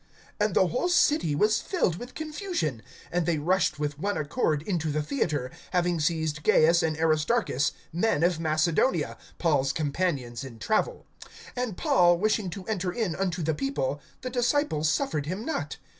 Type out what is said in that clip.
(29)And the whole city was filled with confusion; and they rushed with one accord into the theatre, having seized Gaius and Aristarchus, men of Macedonia, Paul's companions in travel. (30)And Paul wishing to enter in unto the people, the disciples suffered him not.